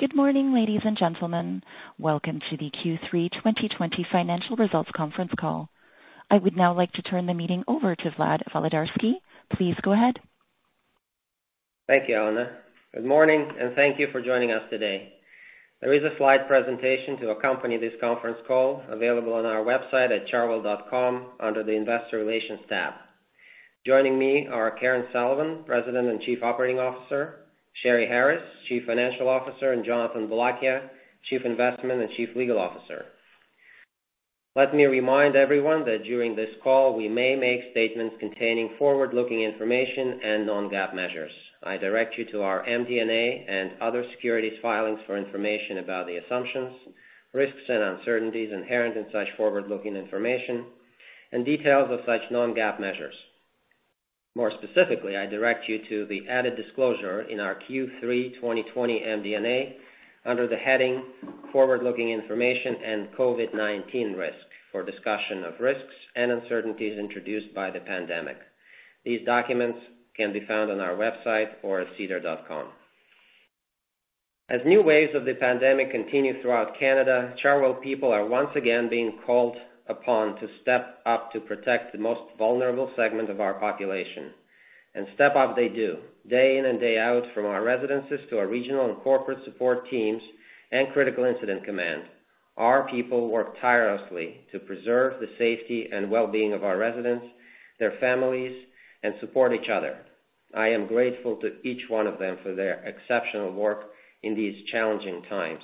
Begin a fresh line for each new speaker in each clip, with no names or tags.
Good morning, ladies and gentlemen. Welcome to the Q3 2020 financial results conference call. I would now like to turn the meeting over to Vlad Volodarski. Please go ahead.
Thank you, Anna. Good morning, and thank you for joining us today. There is a slide presentation to accompany this conference call available on our website at chartwell.com under the investor relations tab. Joining me are Karen Sullivan, President and Chief Operating Officer, Sheri Harris, Chief Financial Officer, and Jonathan Boulakia, Chief Investment and Chief Legal Officer. Let me remind everyone that during this call, we may make statements containing forward-looking information and non-GAAP measures. I direct you to our MD&A and other securities filings for information about the assumptions, risks, and uncertainties inherent in such forward-looking information and details of such non-GAAP measures. More specifically, I direct you to the added disclosure in our Q3 2020 MD&A under the heading Forward-Looking Information and COVID-19 Risk for discussion of risks and uncertainties introduced by the pandemic. These documents can be found on our website or at SEDAR.com. As new waves of the pandemic continue throughout Canada, Chartwell people are once again being called upon to step up to protect the most vulnerable segment of our population. Step up they do, day in and day out, from our residences to our regional and corporate support teams and Critical Incident Command. Our people work tirelessly to preserve the safety and well-being of our residents, their families, and support each other. I am grateful to each one of them for their exceptional work in these challenging times.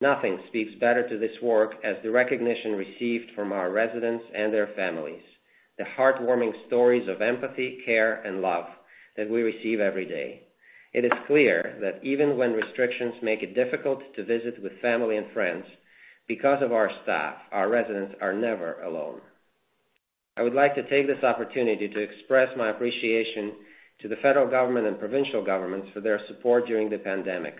Nothing speaks better to this work as the recognition received from our residents and their families, the heartwarming stories of empathy, care, and love that we receive every day. It is clear that even when restrictions make it difficult to visit with family and friends, because of our staff, our residents are never alone. I would like to take this opportunity to express my appreciation to the federal government and provincial governments for their support during the pandemic.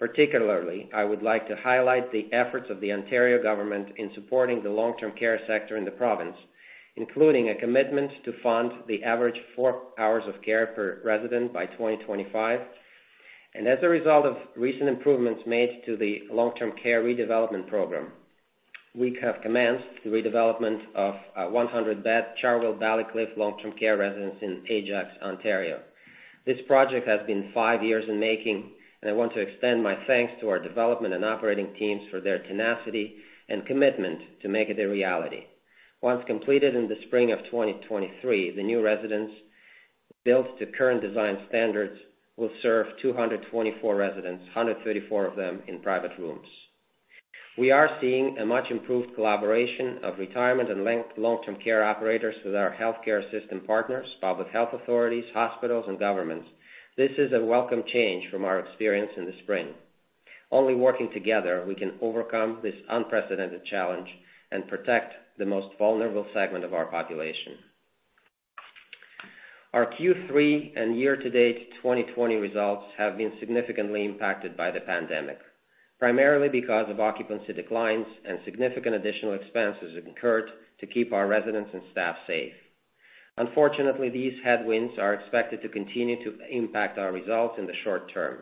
Particularly, I would like to highlight the efforts of the Ontario government in supporting the long-term care sector in the province, including a commitment to fund the average four hours of care per resident by 2025. As a result of recent improvements made to the long-term care redevelopment program, we have commenced the redevelopment of a 100-bed Chartwell Ballycliffe long-term care residence in Ajax, Ontario. This project has been five years in making, and I want to extend my thanks to our development and operating teams for their tenacity and commitment to make it a reality. Once completed in the spring of 2023, the new residence, built to current design standards, will serve 224 residents, 134 of them in private rooms. We are seeing a much improved collaboration of retirement and long-term care operators with our healthcare system partners, public health authorities, hospitals, and governments. This is a welcome change from our experience in the spring. Only working together, we can overcome this unprecedented challenge and protect the most vulnerable segment of our population. Our Q3 and year-to-date 2020 results have been significantly impacted by the pandemic, primarily because of occupancy declines and significant additional expenses incurred to keep our residents and staff safe. Unfortunately, these headwinds are expected to continue to impact our results in the short term.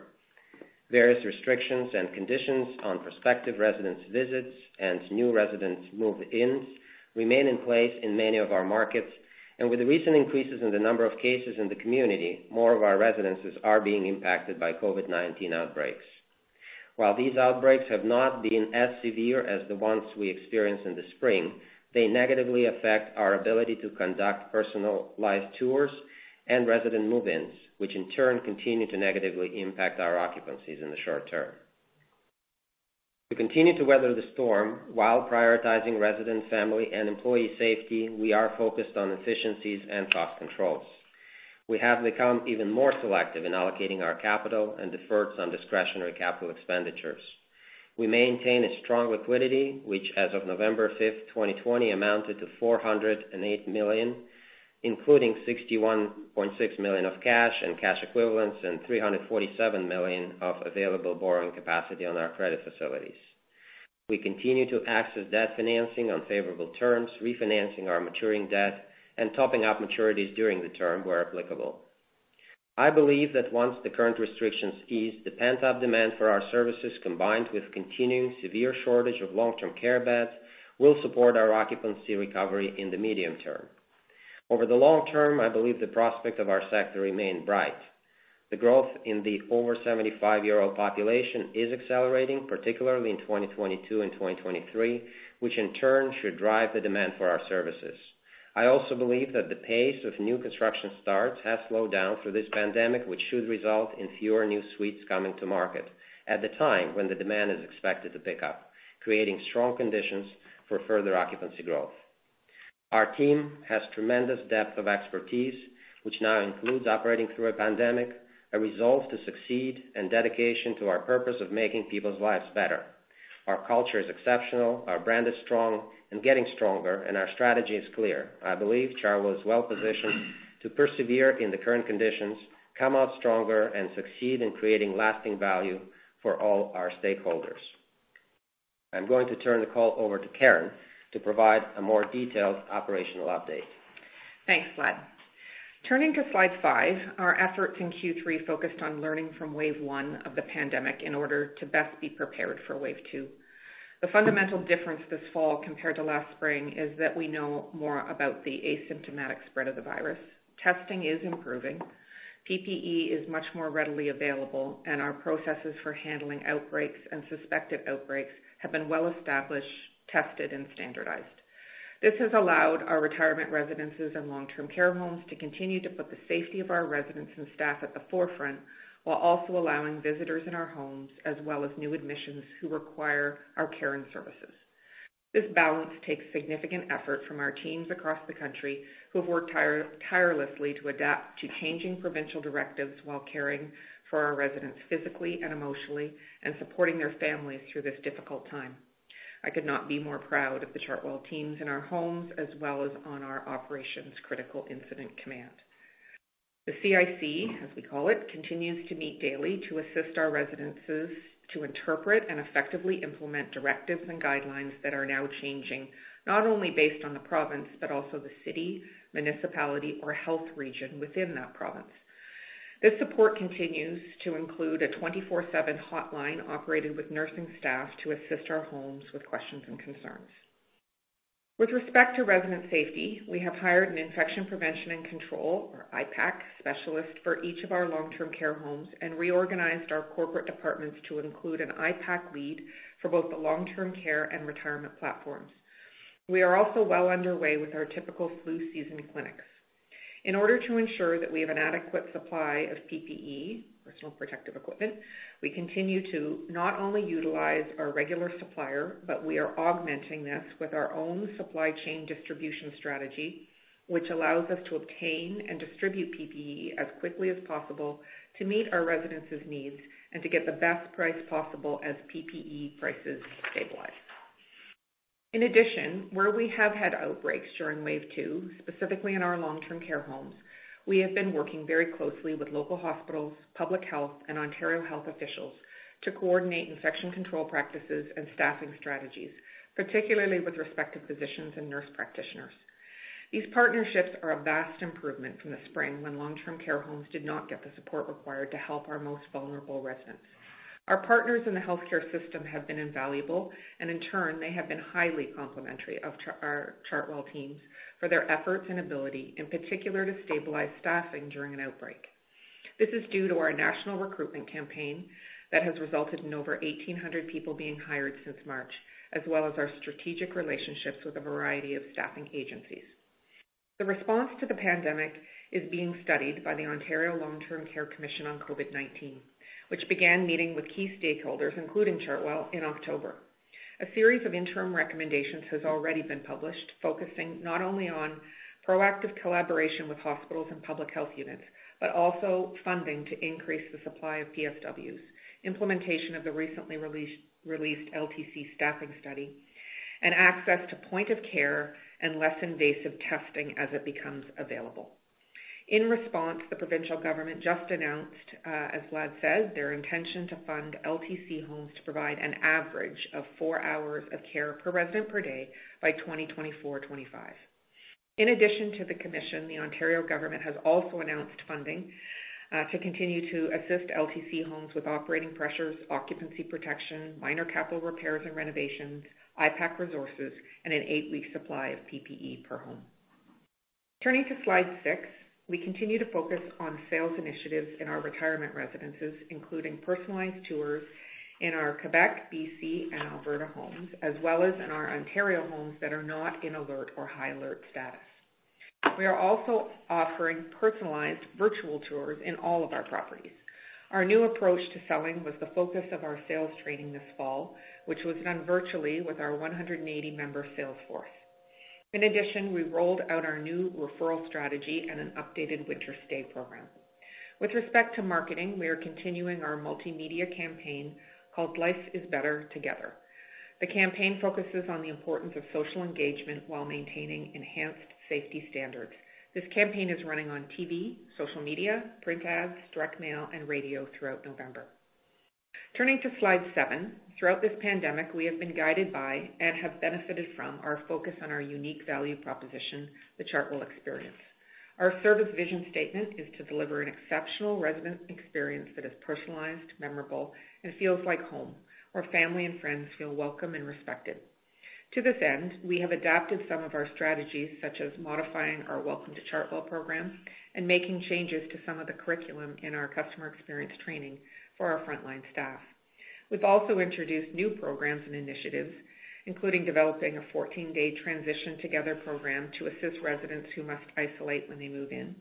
Various restrictions and conditions on prospective residents' visits and new residents' move-ins remain in place in many of our markets. With the recent increases in the number of cases in the community, more of our residences are being impacted by COVID-19 outbreaks. While these outbreaks have not been as severe as the ones we experienced in the spring, they negatively affect our ability to conduct personal live tours and resident move-ins, which in turn continue to negatively impact our occupancies in the short term. To continue to weather the storm while prioritizing resident, family, and employee safety, we are focused on efficiencies and cost controls. We have become even more selective in allocating our capital and deferred some discretionary capital expenditures. We maintain a strong liquidity, which as of November 5th, 2020, amounted to 408 million, including 61.6 million of cash and cash equivalents and 347 million of available borrowing capacity on our credit facilities. We continue to access debt financing on favorable terms, refinancing our maturing debt, and topping up maturities during the term where applicable. I believe that once the current restrictions ease, the pent-up demand for our services, combined with continuing severe shortage of long-term care beds, will support our occupancy recovery in the medium term. Over the long term, I believe the prospect of our sector remains bright. The growth in the over 75-year-old population is accelerating, particularly in 2022 and 2023, which in turn should drive the demand for our services. I also believe that the pace of new construction starts has slowed down through this pandemic, which should result in fewer new suites coming to market at the time when the demand is expected to pick up, creating strong conditions for further occupancy growth. Our team has tremendous depth of expertise, which now includes operating through a pandemic, a resolve to succeed, and dedication to our purpose of making people's lives better. Our culture is exceptional, our brand is strong and getting stronger, and our strategy is clear. I believe Chartwell is well positioned to persevere in the current conditions, come out stronger, and succeed in creating lasting value for all our stakeholders. I'm going to turn the call over to Karen to provide a more detailed operational update.
Thanks, Vlad. Turning to slide five, our efforts in Q3 focused on learning from wave one of the pandemic in order to best be prepared for wave two. The fundamental difference this fall compared to last spring is that we know more about the asymptomatic spread of the virus. Testing is improving. PPE is much more readily available, our processes for handling outbreaks and suspected outbreaks have been well established, tested, and standardized. This has allowed our retirement residences and long-term care homes to continue to put the safety of our residents and staff at the forefront while also allowing visitors in our homes as well as new admissions who require our care and services. This balance takes significant effort from our teams across the country, who have worked tirelessly to adapt to changing provincial directives while caring for our residents physically and emotionally and supporting their families through this difficult time. I could not be more proud of the Chartwell teams in our homes as well as on our operations' Critical Incident Command. The CIC, as we call it, continues to meet daily to assist our residences to interpret and effectively implement directives and guidelines that are now changing not only based on the province but also the city, municipality, or health region within that province. This support continues to include a 24/7 hotline operated with nursing staff to assist our homes with questions and concerns. With respect to resident safety, we have hired an infection prevention and control, or IPAC, specialist for each of our long-term care homes and reorganized our corporate departments to include an IPAC lead for both the long-term care and retirement platforms. We are also well underway with our typical flu season clinics. In order to ensure that we have an adequate supply of PPE, personal protective equipment, we continue to not only utilize our regular supplier, but we are augmenting this with our own supply chain distribution strategy, which allows us to obtain and distribute PPE as quickly as possible to meet our residents' needs and to get the best price possible as PPE prices stabilize. Where we have had outbreaks during Wave 2, specifically in our long-term care homes, we have been working very closely with local hospitals, public health, and Ontario Health officials to coordinate infection control practices and staffing strategies, particularly with respect to physicians and nurse practitioners. These partnerships are a vast improvement from the spring when long-term care homes did not get the support required to help our most vulnerable residents. Our partners in the healthcare system have been invaluable. In turn, they have been highly complimentary of our Chartwell teams for their efforts and ability, in particular, to stabilize staffing during an outbreak. This is due to our national recruitment campaign that has resulted in over 1,800 people being hired since March, as well as our strategic relationships with a variety of staffing agencies. The response to the pandemic is being studied by the Ontario's Long-Term Care COVID-19 Commission, which began meeting with key stakeholders, including Chartwell, in October. A series of interim recommendations has already been published, focusing not only on proactive collaboration with hospitals and public health units, but also funding to increase the supply of PSWs, implementation of the recently released LTC staffing study, and access to point of care and less invasive testing as it becomes available. In response, the provincial government just announced, as Vlad said, their intention to fund LTC homes to provide an average of four hours of care per resident per day by 2024/2025. In addition to the commission, the Ontario government has also announced funding to continue to assist LTC homes with operating pressures, occupancy protection, minor capital repairs and renovations, IPAC resources, and an eight-week supply of PPE per home. Turning to slide six, we continue to focus on sales initiatives in our retirement residences, including personalized tours in our Quebec, B.C., and Alberta homes, as well as in our Ontario homes that are not in alert or high alert status. We are also offering personalized virtual tours in all of our properties. Our new approach to selling was the focus of our sales training this fall, which was done virtually with our 180-member sales force. In addition, we rolled out our new referral strategy and an updated Winter Stay program. With respect to marketing, we are continuing our multimedia campaign called Life is Better, Together. The campaign focuses on the importance of social engagement while maintaining enhanced safety standards. This campaign is running on TV, social media, print ads, direct mail, and radio throughout November. Turning to slide seven. Throughout this pandemic, we have been guided by and have benefited from our focus on our unique value proposition, the Chartwell Experience. Our service vision statement is to deliver an exceptional resident experience that is personalized, memorable, and feels like home, where family and friends feel welcome and respected. To this end, we have adapted some of our strategies, such as modifying our Welcome to Chartwell programs and making changes to some of the curriculum in our customer experience training for our frontline staff. We've also introduced new programs and initiatives, including developing a 14-day Transition Together program to assist residents who must isolate when they move in;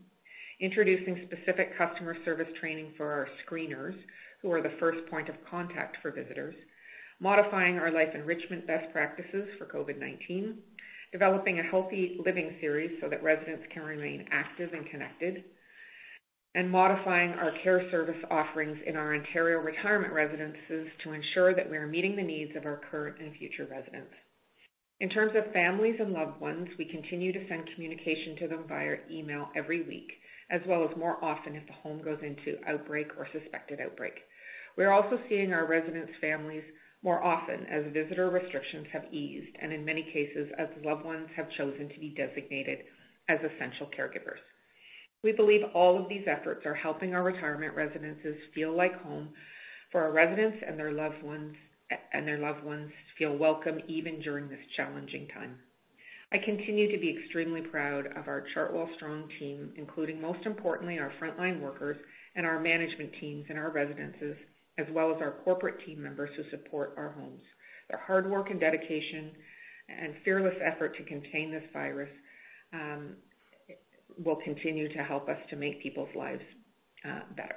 introducing specific customer service training for our screeners, who are the first point of contact for visitors; modifying our life enrichment best practices for COVID-19; developing a healthy living series so that residents can remain active and connected; and modifying our care service offerings in our Ontario retirement residences to ensure that we are meeting the needs of our current and future residents. In terms of families and loved ones, we continue to send communication to them via email every week, as well as more often if the home goes into outbreak or suspected outbreak. We're also seeing our residents' families more often, as visitor restrictions have eased, and in many cases, as loved ones have chosen to be designated as essential caregivers. We believe all of these efforts are helping our retirement residences feel like home for our residents and their loved ones feel welcome even during this challenging time. I continue to be extremely proud of our Chartwell strong team, including, most importantly, our frontline workers and our management teams in our residences, as well as our corporate team members who support our homes. Their hard work and dedication and fearless effort to contain this virus will continue to help us to make people's lives better.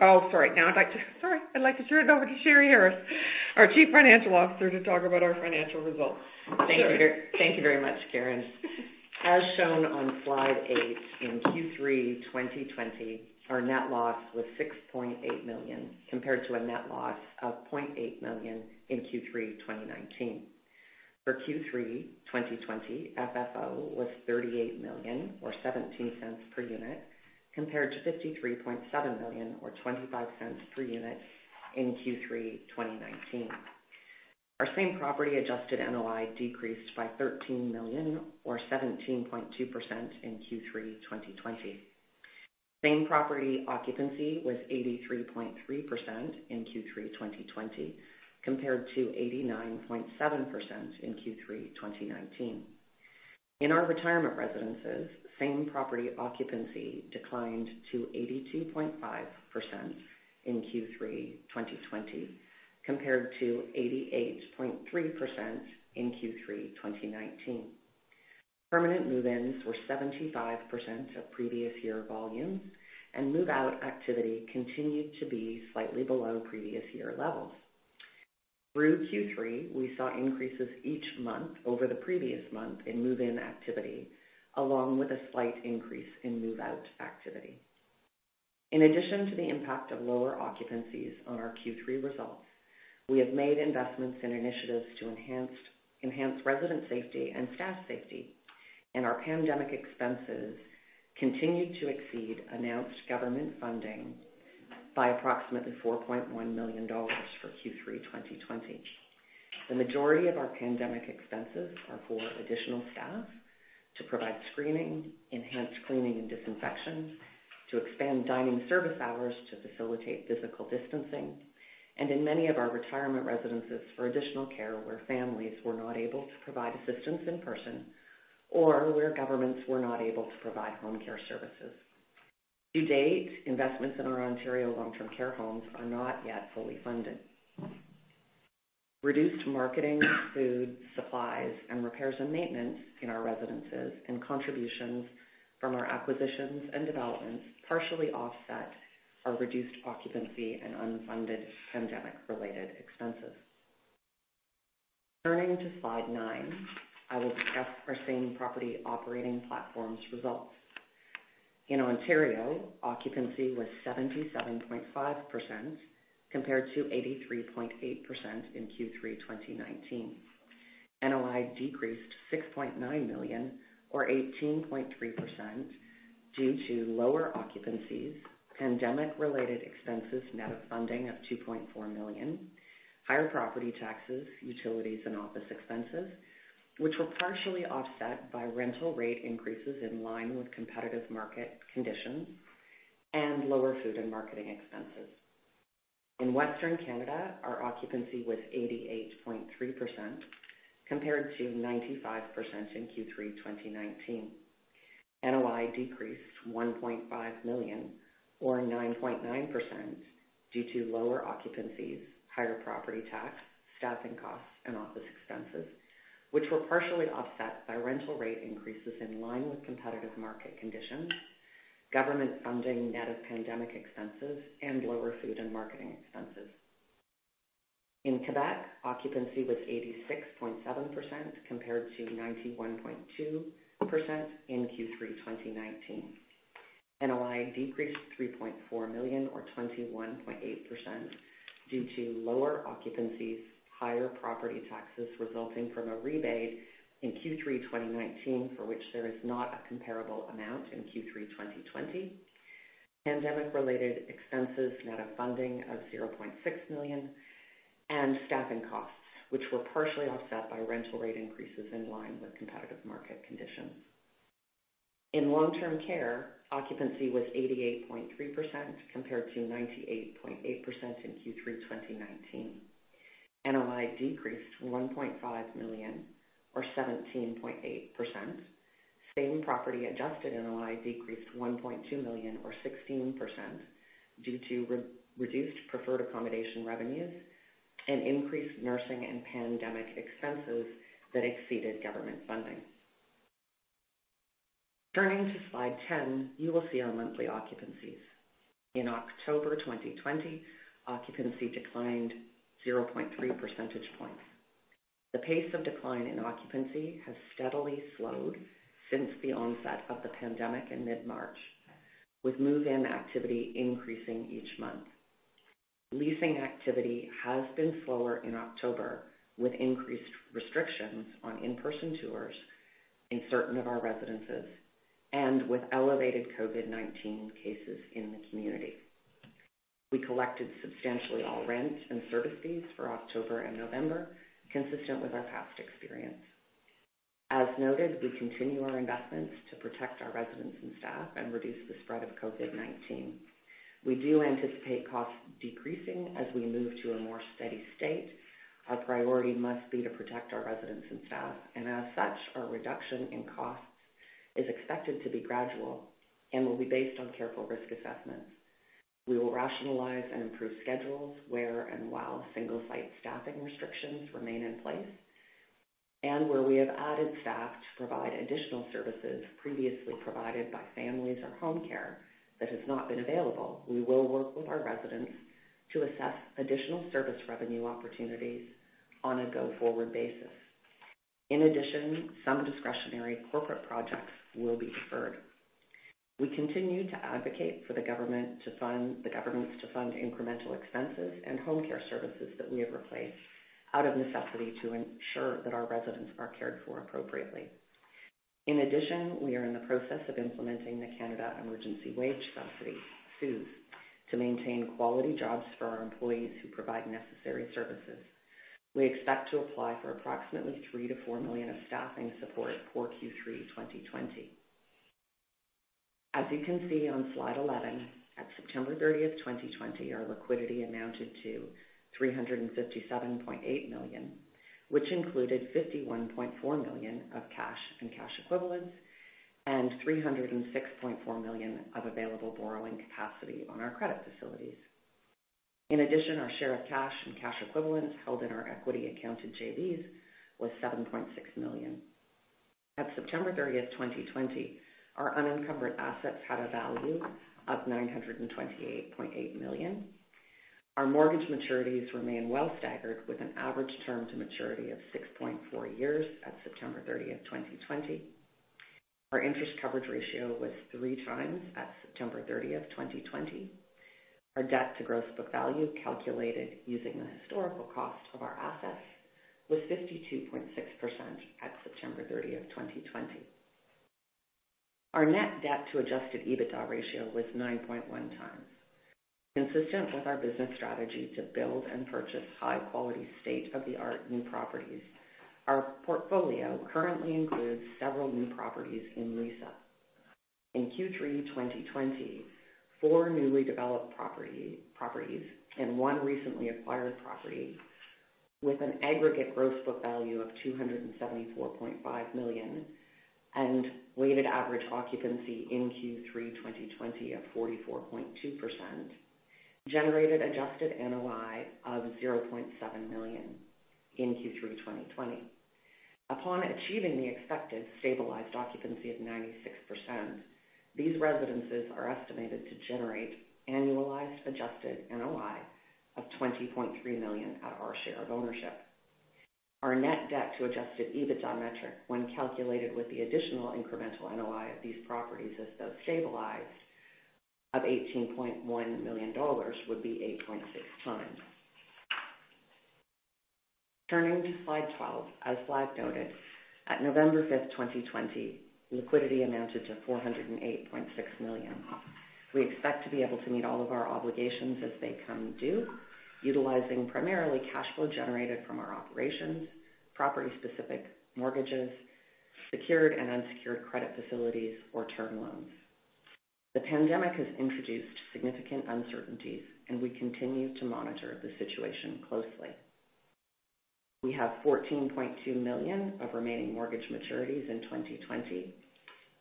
Oh, sorry. I'd like to turn it over to Sheri Harris, our Chief Financial Officer, to talk about our financial results.
Thank you very much, Karen. As shown on slide eight, in Q3 2020, our net loss was 6.8 million, compared to a net loss of 0.8 million in Q3 2019. For Q3 2020, FFO was 38 million, or 0.17 per unit, compared to 53.7 million, or 0.25 per unit, in Q3 2019. Our same property adjusted NOI decreased by 13 million, or 17.2%, in Q3 2020. Same property occupancy was 83.3% in Q3 2020, compared to 89.7% in Q3 2019. In our retirement residences, same property occupancy declined to 82.5% in Q3 2020, compared to 88.3% in Q3 2019. Permanent move-ins were 75% of previous year volumes, and move-out activity continued to be slightly below previous year levels. Through Q3, we saw increases each month over the previous month in move-in activity, along with a slight increase in move-out activity. In addition to the impact of lower occupancies on our Q3 results, we have made investments in initiatives to enhance resident safety and staff safety, and our pandemic expenses continued to exceed announced government funding by approximately 4.1 million dollars for Q3 2020. The majority of our pandemic expenses are for additional staff to provide screening, enhanced cleaning and disinfection, to expand dining service hours to facilitate physical distancing, and in many of our retirement residences for additional care where families were not able to provide assistance in person or where governments were not able to provide home care services. To date, investments in our Ontario long-term care homes are not yet fully funded. Reduced marketing, food, supplies, and repairs and maintenance in our residences and contributions from our acquisitions and developments partially offset our reduced occupancy and unfunded pandemic-related expenses. Turning to slide nine, I will discuss our same property operating platforms results. In Ontario, occupancy was 77.5%, compared to 83.8% in Q3 2019. NOI decreased 6.9 million, or 18.3%, due to lower occupancies, pandemic-related expenses net of funding of 2.4 million, higher property taxes, utilities, and office expenses, which were partially offset by rental rate increases in line with competitive market conditions and lower food and marketing expenses. In Western Canada, our occupancy was 88.3%, compared to 95% in Q3 2019. NOI decreased 1.5 million, or 9.9%, due to lower occupancies, higher property tax, staffing costs, and office expenses, which were partially offset by rental rate increases in line with competitive market conditions, government funding net of pandemic expenses, and lower food and marketing expenses. In Quebec, occupancy was 86.7%, compared to 91.2% in Q3 2019. NOI decreased 3.4 million, or 21.8%, due to lower occupancies, higher property taxes resulting from a rebate in Q3 2019, for which there is not a comparable amount in Q3 2020, pandemic-related expenses net of funding of 0.6 million, and staffing costs, which were partially offset by rental rate increases in line with competitive market conditions. In long-term care, occupancy was 88.3%, compared to 98.8% in Q3 2019. NOI decreased 1.5 million, or 17.8%. Same property adjusted NOI decreased 1.2 million, or 16%, due to reduced preferred accommodation revenues and increased nursing and pandemic expenses that exceeded government funding. Turning to slide 10, you will see our monthly occupancies. In October 2020, occupancy declined 0.3 percentage points. The pace of decline in occupancy has steadily slowed since the onset of the pandemic in mid-March, with move-in activity increasing each month. Leasing activity has been slower in October, with increased restrictions on in-person tours in certain of our residences and with elevated COVID-19 cases in the community. We collected substantially all rent and service fees for October and November, consistent with our past experience. As noted, we continue our investments to protect our residents and staff and reduce the spread of COVID-19. We do anticipate costs decreasing as we move to a more steady state. Our priority must be to protect our residents and staff, and as such, our reduction in costs is expected to be gradual and will be based on careful risk assessments. We will rationalize and improve schedules where and while single-site staffing restrictions remain in place, and where we have added staff to provide additional services previously provided by families or home care that has not been available. We will work with our residents to assess additional service revenue opportunities on a go-forward basis. In addition, some discretionary corporate projects will be deferred. We continue to advocate for the governments to fund incremental expenses and home care services that we have replaced out of necessity to ensure that our residents are cared for appropriately. In addition, we are in the process of implementing the Canada Emergency Wage Subsidy, CEWS, to maintain quality jobs for our employees who provide necessary services. We expect to apply for approximately 3 million-4 million of staffing support for Q3 2020. As you can see on slide 11, at September 30th, 2020, our liquidity amounted to 357.8 million, which included 51.4 million of cash and cash equivalents and 306.4 million of available borrowing capacity on our credit facilities. In addition, our share of cash and cash equivalents held in our equity accounted JVs was CAD 7.6 million. At September 30th, 2020, our unencumbered assets had a value of 928.8 million. Our mortgage maturities remain well staggered, with an average term to maturity of 6.4 years at September 30th, 2020. Our interest coverage ratio was three times at September 30th, 2020. Our debt to gross book value, calculated using the historical cost of our assets, was 52.6% at September 30th, 2020. Our net debt to adjusted EBITDA ratio was 9.1x. Consistent with our business strategy to build and purchase high-quality, state-of-the-art new properties, our portfolio currently includes several new properties in lease-up. In Q3 2020, four newly developed properties and one recently acquired property with an aggregate gross book value of 274.5 million and weighted average occupancy in Q3 2020 of 44.2%, generated adjusted NOI of 0.7 million in Q3 2020. Upon achieving the expected stabilized occupancy of 96%, these residences are estimated to generate annualized adjusted NOI of 20.3 million at our share of ownership. Our net debt to adjusted EBITDA metric when calculated with the additional incremental NOI of these properties as they stabilize of CAD 18.1 million, would be 8.6x. Turning to slide 12. As Vlad noted, at November 5th, 2020, liquidity amounted to 408.6 million. We expect to be able to meet all of our obligations as they come due, utilizing primarily cash flow generated from our operations, property-specific mortgages, secured and unsecured credit facilities, or term loans. The pandemic has introduced significant uncertainties, and we continue to monitor the situation closely. We have 14.2 million of remaining mortgage maturities in 2020,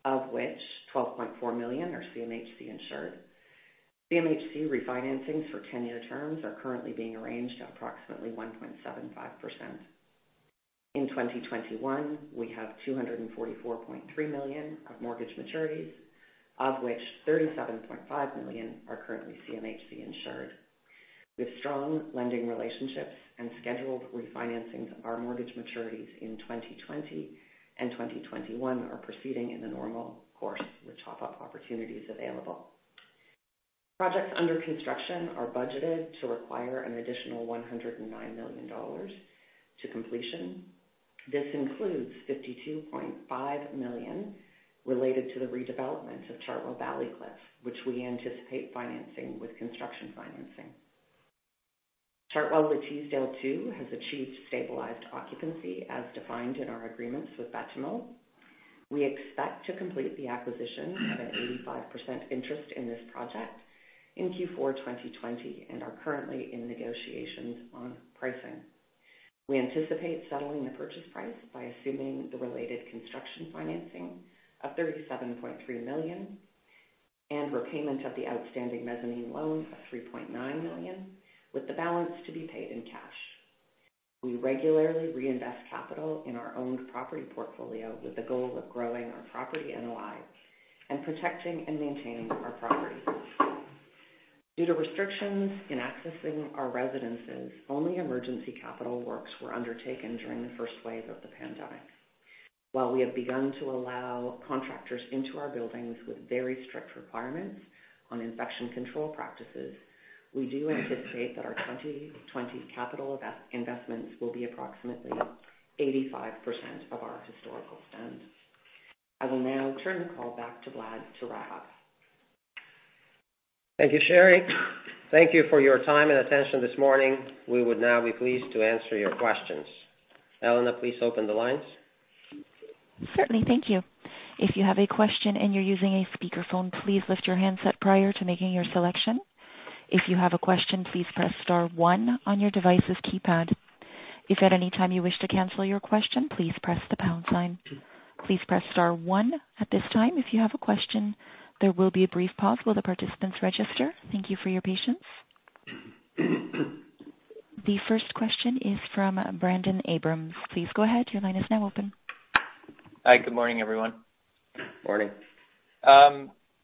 of which 12.4 million are CMHC-insured. CMHC refinancings for 10-year terms are currently being arranged at approximately 1.75%. In 2021, we have 244.3 million of mortgage maturities, of which 37.5 million are currently CMHC-insured. With strong lending relationships and scheduled refinancing, our mortgage maturities in 2020 and 2021 are proceeding in the normal course with top-up opportunities available. Projects under construction are budgeted to require an additional 109 million dollars to completion. This includes 52.5 million related to the redevelopment of Chartwell Ballycliffe, which we anticipate financing with construction financing. Chartwell Teasdale II has achieved stabilized occupancy as defined in our agreements with Batimo. We expect to complete the acquisition of an 85% interest in this project in Q4 2020 and are currently in negotiations on pricing. We anticipate settling the purchase price by assuming the related construction financing of 37.3 million and repayment of the outstanding mezzanine loan of 3.9 million, with the balance to be paid in cash. We regularly reinvest capital in our owned property portfolio with the goal of growing our property NOI and protecting and maintaining our properties. Due to restrictions in accessing our residences, only emergency capital works were undertaken during the first wave of the pandemic. While we have begun to allow contractors into our buildings with very strict requirements on infection control practices, we do anticipate that our 2020 capital investments will be approximately 85% of our historical spend. I will now turn the call back to Vlad to wrap up.
Thank you, Sheri. Thank you for your time and attention this morning. We would now be pleased to answer your questions. Elena, please open the lines.
Certainly. Thank you. If you have a question and you're using a speakerphone, please lift your handset prior to making your selection. If you have a question, please press star one on your device's keypad. If at any time you wish to cancel your question, please press the pound sign. Please press star one at this time if you have a question. There will be a brief pause while the participants register. Thank you for your patience. The first question is from Brendon Abrams. Please go ahead. Your line is now open.
Hi. Good morning, everyone.
Morning.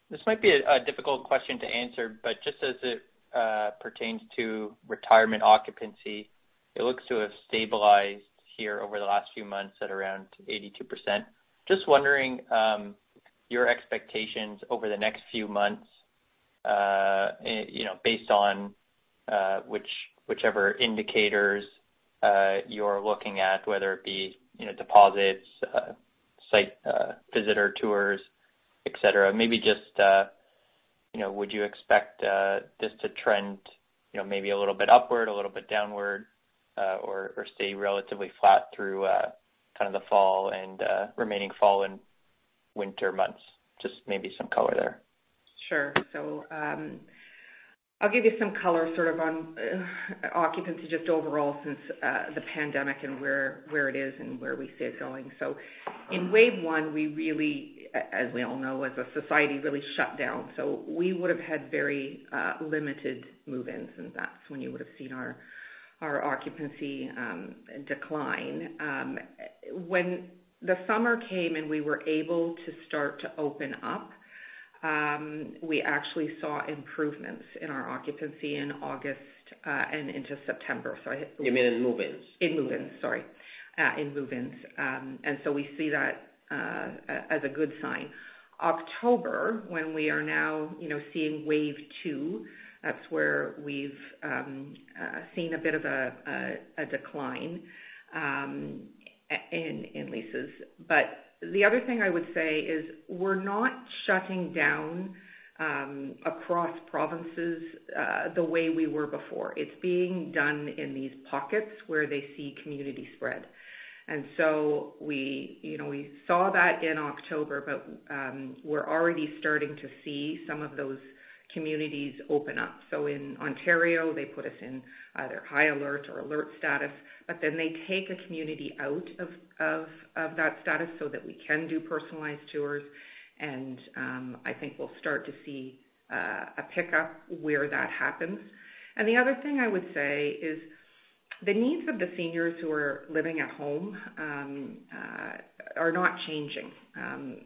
This might be a difficult question to answer, but just as it pertains to retirement occupancy, it looks to have stabilized here over the last few months at around 82%. Just wondering, your expectations over the next few months, based on whichever indicators you're looking at, whether it be deposits, site visitor tours, et cetera, maybe just would you expect this to trend maybe a little bit upward, a little bit downward, or stay relatively flat through kind of the remaining fall and winter months, just maybe some color there?
Sure. I'll give you some color sort of on occupancy just overall since the pandemic and where it is and where we see it going. In wave one, we really, as we all know, as a society, really shut down. We would've had very limited move-ins, and that's when you would've seen our occupancy decline. When the summer came and we were able to start to open up, we actually saw improvements in our occupancy in August, and into September. Sorry.
You mean in move-ins?
In move-ins, sorry. In move-ins. We see that as a good sign. October, when we are now seeing Wave 2, that's where we've seen a bit of a decline in leases. The other thing I would say is we're not shutting down across provinces the way we were before. It's being done in these pockets where they see community spread. We saw that in October, but we're already starting to see some of those communities open up. In Ontario, they put us in either high alert or alert status, but then they take a community out of that status so that we can do personalized tours and, I think we'll start to see a pickup where that happens. The other thing I would say is the needs of the seniors who are living at home are not changing.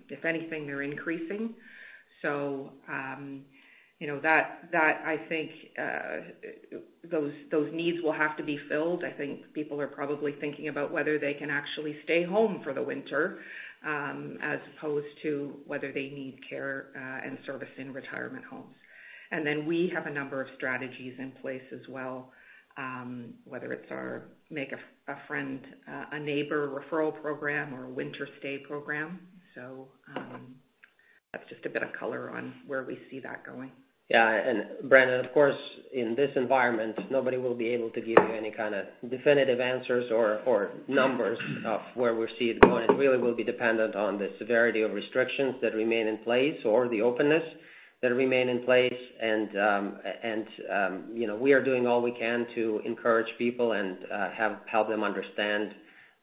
If anything, they're increasing. I think, those needs will have to be filled. I think people are probably thinking about whether they can actually stay home for the winter, as opposed to whether they need care and service in retirement homes. We have a number of strategies in place as well, whether it's our Make a Friend, a Neighbour referral program or Winter Stay program. That's just a bit of color on where we see that going.
Yeah. Brendon, of course, in this environment, nobody will be able to give you any kind of definitive answers or numbers of where we see it going. It really will be dependent on the severity of restrictions that remain in place, or the openness that remain in place. We are doing all we can to encourage people and help them understand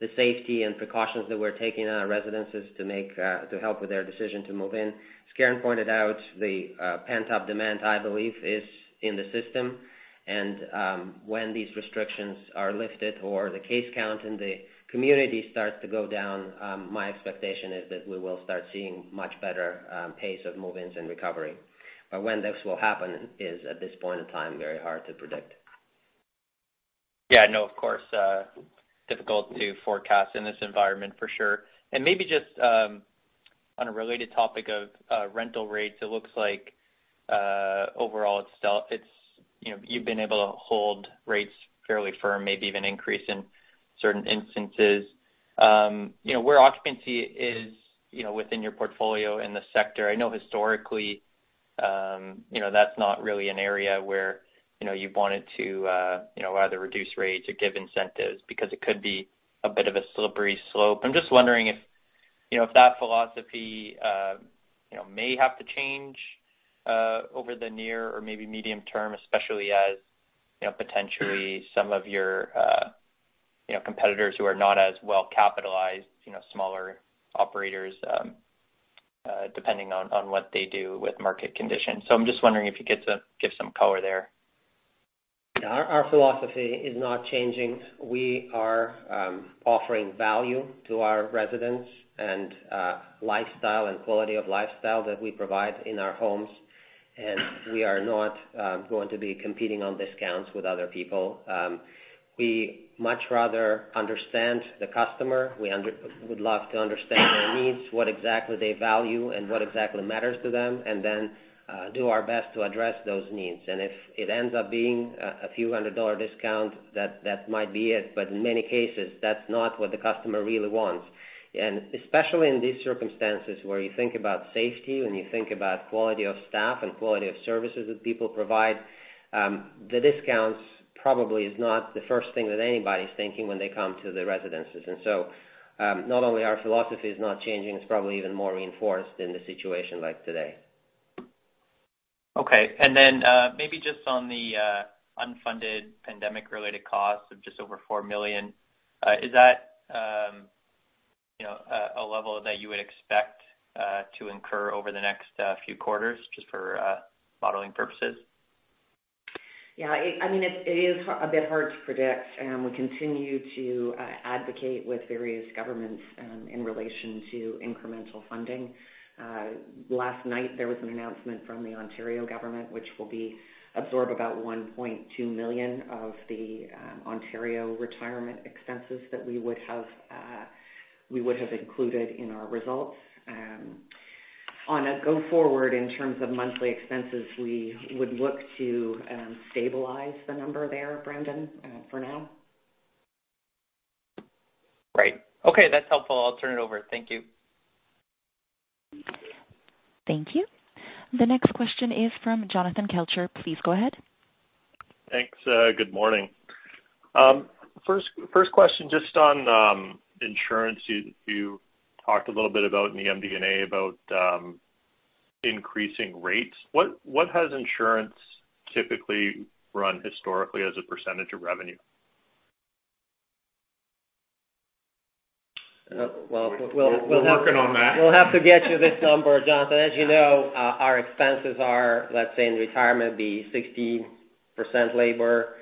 the safety and precautions that we're taking in our residences to help with their decision to move in. As Karen pointed out, the pent-up demand, I believe, is in the system. When these restrictions are lifted or the case count in the community starts to go down, my expectation is that we will start seeing much better pace of move-ins and recovery. When this will happen is, at this point in time, very hard to predict.
No, of course. Difficult to forecast in this environment for sure. Maybe just on a related topic of rental rates, it looks like, overall, you've been able to hold rates fairly firm, maybe even increase in certain instances. Where occupancy is within your portfolio in the sector, I know historically, that's not really an area where you've wanted to either reduce rates or give incentives because it could be a bit of a slippery slope. I'm just wondering if that philosophy may have to change over the near or maybe medium term, especially as potentially some of your competitors who are not as well capitalized, smaller operators, depending on what they do with market conditions. I'm just wondering if you could give some color there.
Yeah. Our philosophy is not changing. We are offering value to our residents and lifestyle and quality of lifestyle that we provide in our homes. We are not going to be competing on discounts with other people. We much rather understand the customer. We would love to understand their needs, what exactly they value, and what exactly matters to them, and then do our best to address those needs. If it ends up being a few hundred-dollar discount, that might be it. In many cases, that's not what the customer really wants. Especially in these circumstances where you think about safety and you think about quality of staff and quality of services that people provide, the discounts probably is not the first thing that anybody's thinking when they come to the residences. Not only our philosophy is not changing, it's probably even more reinforced in the situation like today.
Okay. Maybe just on the unfunded pandemic related costs of just over 4 million, is that a level that you would expect to incur over the next few quarters just for modeling purposes?
Yeah. It is a bit hard to predict. We continue to advocate with various governments, in relation to incremental funding. Last night there was an announcement from the Ontario government, which will absorb about 1.2 million of the Ontario retirement expenses that we would have included in our results. On a go forward in terms of monthly expenses, we would look to stabilize the number there, Brendon, for now.
Right. Okay. That's helpful. I'll turn it over. Thank you.
Thank you. The next question is from Jonathan Kelcher. Please go ahead.
Thanks. Good morning. First question just on insurance. You talked a little bit about in the MD&A about increasing rates. What has insurance typically run historically as a percentage of revenue?
Well-
We're working on that.
We'll have to get you this number, Jonathan. As you know, our expenses are, let's say in retirement, be 60% labor,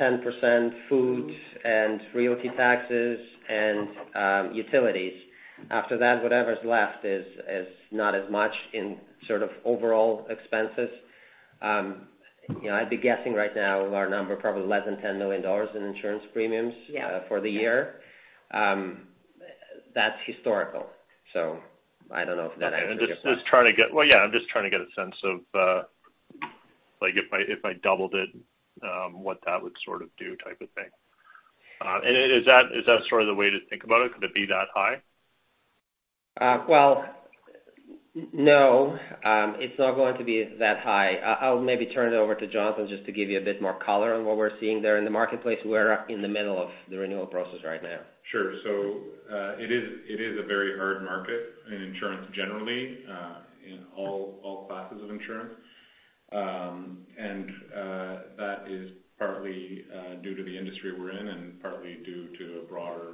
10% food and realty taxes and utilities. After that, whatever's left is not as much in sort of overall expenses. I'd be guessing right now our number probably less than 10 million dollars in insurance premiums.
Yeah
for the year. That's historical. I don't know if that answers your question.
Okay. Well, yeah, I'm just trying to get a sense of if I doubled it, what that would sort of do type of thing. Is that sort of the way to think about it? Could it be that high?
No. It's not going to be that high. I'll maybe turn it over to Jonathan just to give you a bit more color on what we're seeing there in the marketplace. We're in the middle of the renewal process right now.
Sure. It is a very hard market in insurance generally, in all classes of insurance. That is partly due to the industry we're in and partly due to a broader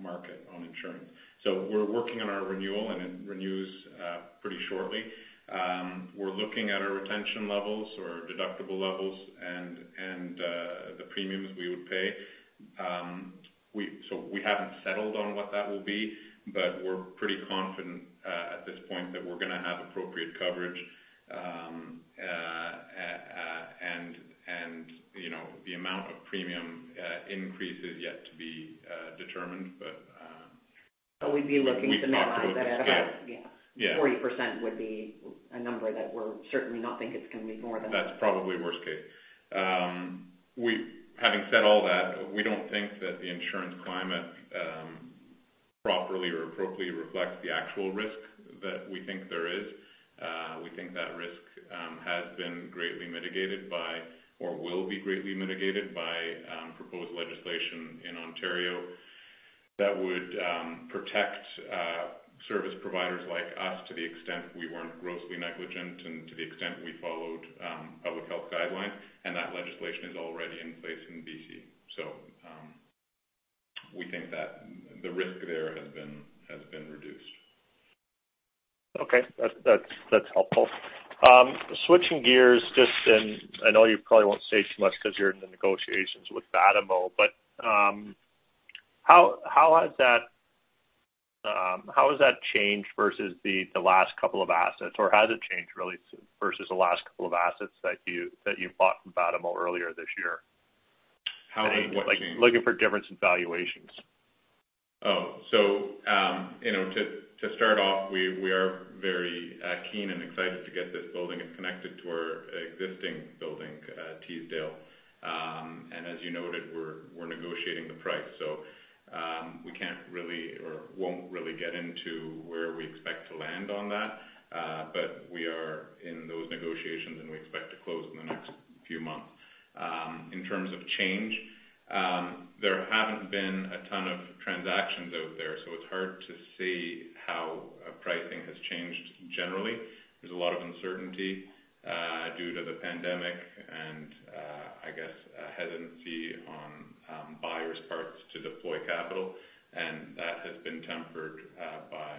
market on insurance. We're working on our renewal, and it renews pretty shortly. We're looking at our retention levels or deductible levels and the premiums we would pay. We haven't settled on what that will be, but we're pretty confident at this point that we're going to have appropriate coverage. The amount of premium increase is yet to be determined.
We'd be looking to manage that at about.
Yeah.
40% would be a number that we're certainly not think it's going to be more than that.
That's probably worst case. Having said all that, we don't think that the insurance climate properly or appropriately reflects the actual risk that we think there is. We think that risk has been greatly mitigated by, or will be greatly mitigated by proposed legislation in Ontario that would protect service providers like us to the extent we weren't grossly negligent and to the extent we followed public health guidelines. That legislation is already in place in BC. We think that the risk there has been reduced.
Okay. That's helpful. Switching gears, I know you probably won't say too much because you're in the negotiations with Batimo, but how has that changed versus the last couple of assets? Has it changed really versus the last couple of assets that you bought from Batimo earlier this year?
How has what changed?
Looking for difference in valuations.
To start off, we are very keen and excited to get this building and connect it to our existing building, Teasdale. As you noted, we're negotiating the price. We can't really or won't really get into where we expect to land on that. We are in those negotiations, and we expect to close in the next few months. In terms of change, there haven't been a ton of transactions out there, so it's hard to see how pricing has changed. Generally, there's a lot of uncertainty due to the pandemic. I guess, a hesitancy on buyers' parts to deploy capital, and that has been tempered by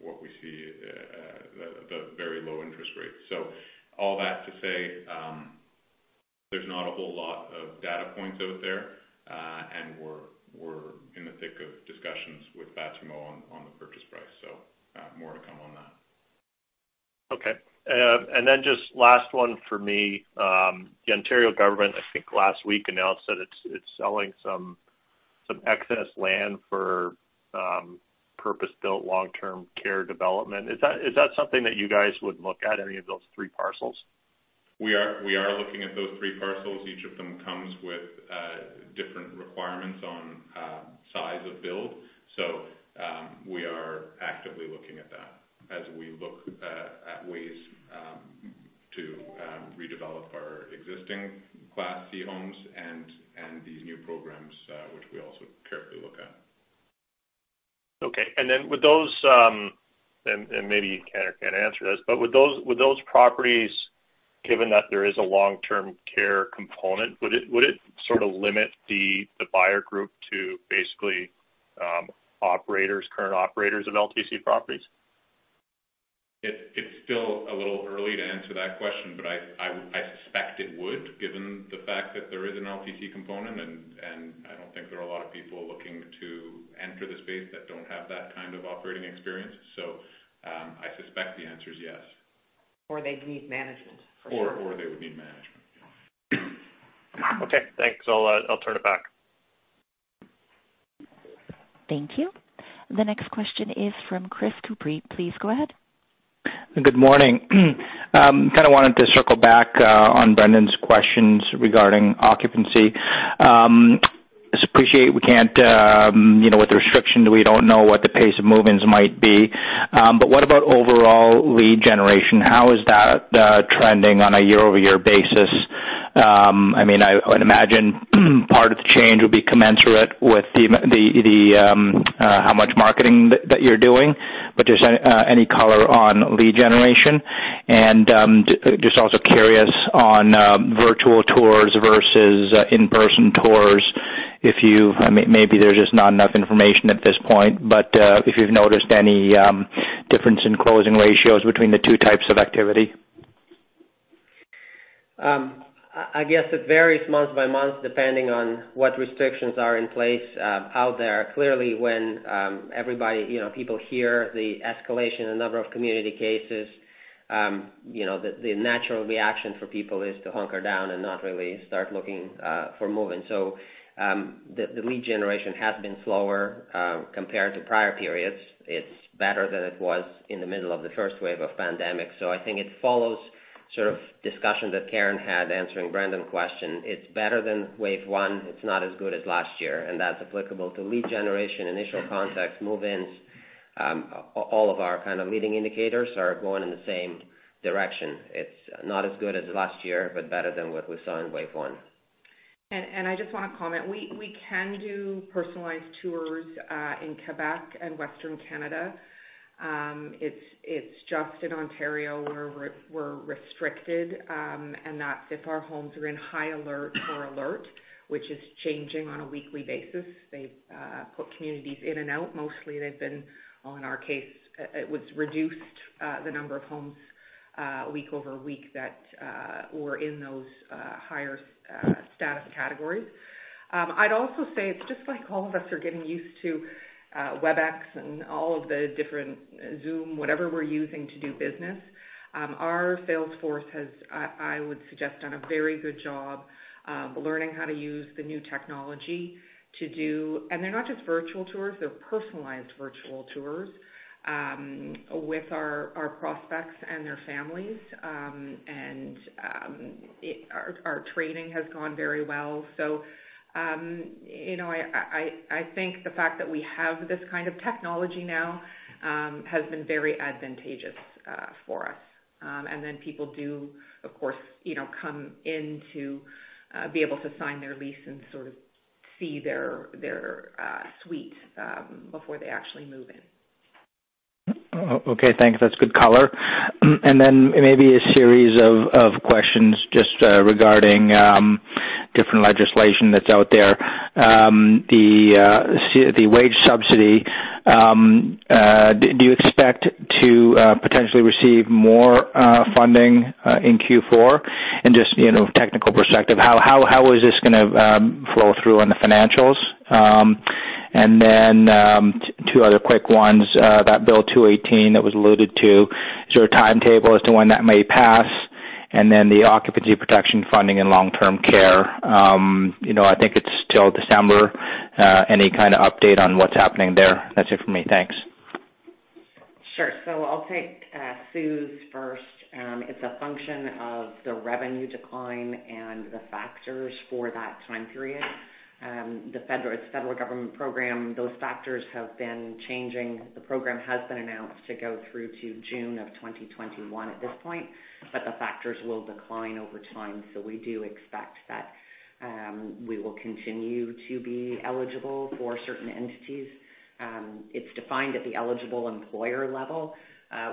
what we see, the very low interest rates. All that to say, there's not a whole lot of data points out there, and we're in the thick of discussions with Batimo on the purchase price. More to come on that.
Okay. Just last one for me. The Ontario government, I think last week, announced that it's selling some excess land for purpose-built long-term care development. Is that something that you guys would look at, any of those three parcels?
We are looking at those three parcels. Each of them comes with different requirements on size of build. We are actively looking at that as we look at ways to redevelop our existing Class C homes and these new programs which we also carefully look at.
Okay. With those, and maybe you can or can't answer this, but with those properties, given that there is a long-term care component, would it sort of limit the buyer group to basically current operators of LTC properties?
It's still a little early to answer that question, but I suspect it would, given the fact that there is an LTC component, and I don't think there are a lot of people looking to enter the space that don't have that kind of operating experience. I suspect the answer is yes.
They'd need management.
They would need management, yes.
Okay, thanks. I'll turn it back.
Thank you. The next question is from Chris Couprie. Please go ahead.
Good morning. Kind of wanted to circle back on Brendon's questions regarding occupancy. Just appreciate we can't, with the restriction, we don't know what the pace of move-ins might be. What about overall lead generation? How is that trending on a year-over-year basis? I would imagine part of the change would be commensurate with how much marketing that you're doing. Just any color on lead generation, and just also curious on virtual tours versus in-person tours. Maybe there's just not enough information at this point, but if you've noticed any difference in closing ratios between the two types of activity.
I guess it varies month by month, depending on what restrictions are in place out there. Clearly, when people hear the escalation in the number of community cases, the natural reaction for people is to hunker down and not really start looking for moving. The lead generation has been slower compared to prior periods. It's better than it was in the middle of the first wave of pandemic. I think it follows sort of discussion that Karen had answering Brendon's question. It's better than wave one. It's not as good as last year. That's applicable to lead generation, initial contacts, move-ins. All of our kind of leading indicators are going in the same direction. It's not as good as last year, but better than what we saw in wave one.
I just want to comment. We can do personalized tours in Quebec and Western Canada. It's just in Ontario where we're restricted, and that's if our homes are in high alert or alert, which is changing on a weekly basis. They've put communities in and out. Mostly they've been, well, in our case, it was reduced the number of homes week over week that were in those higher status categories. I'd also say it's just like all of us are getting used to Webex and all of the different Zoom, whatever we're using to do business. Our sales force has, I would suggest, done a very good job learning how to use the new technology to do And they're not just virtual tours, they're personalized virtual tours with our prospects and their families. Our training has gone very well. I think the fact that we have this kind of technology now has been very advantageous for us. People do, of course, come in to be able to sign their lease and sort of see their suite before they actually move in.
Okay, thanks. That's good color. Then maybe a series of questions just regarding different legislation that's out there. The wage subsidy. Do you expect to potentially receive more funding in Q4? Just technical perspective, how is this going to flow through on the financials? Then two other quick ones. That Bill 218 that was alluded to. Is there a timetable as to when that may pass? Then the occupancy protection funding in long-term care. I think it's till December. Any kind of update on what's happening there? That's it for me. Thanks.
Sure. I'll take CEWS first. It's a function of the revenue decline and the factors for that time period. The federal government program, those factors have been changing. The program has been announced to go through to June of 2021 at this point, but the factors will decline over time. We will continue to be eligible for certain entities. It's defined at the eligible employer level.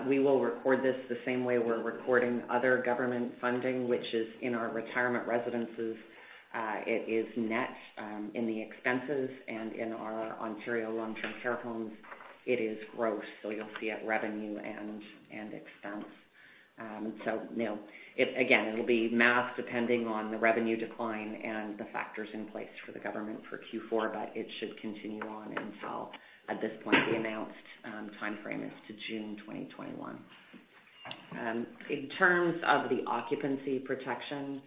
We will record this the same way we're recording other government funding, which is in our retirement residences. It is net in the expenses, and in our Ontario long-term care homes, it is gross. You'll see it revenue and expense. Again, it'll be math depending on the revenue decline and the factors in place for the government for Q4, but it should continue on until, at this point, the announced timeframe is to June 2021. In terms of the occupancy protection,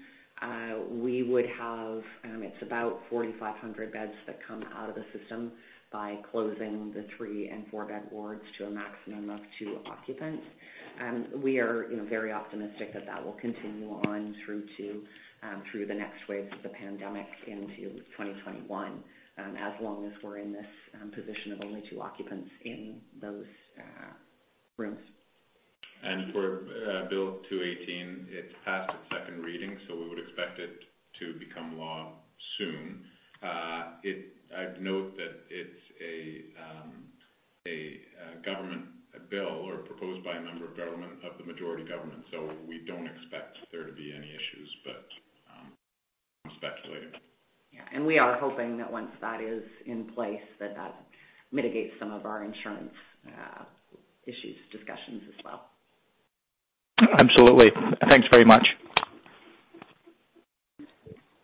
we would have, it's about 4,500 beds that come out of the system by closing the three and four-bed wards to a maximum of two occupants. We are very optimistic that that will continue on through the next wave of the pandemic into 2021, as long as we're in this position of only two occupants in those rooms.
For Bill 218, it's passed its second reading, so we would expect it to become law soon. I'd note that it's a government bill or proposed by a member of the majority government. We don't expect there to be any issues, but I'm speculating.
Yeah. We are hoping that once that is in place, that that mitigates some of our insurance issues, discussions as well.
Absolutely. Thanks very much.